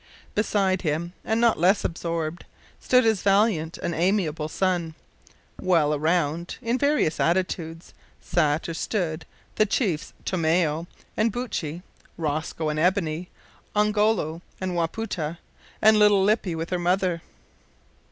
Beside him, and not less absorbed, stood his valiant and amiable son; while around, in various attitudes, sat or stood the chiefs Tomeo and Buttchee, Rosco and Ebony, Ongoloo and Wapoota, and little Lippy with her mother!